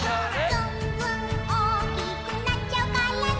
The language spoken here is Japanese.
「ずんずんおおきくなっちゃうからね」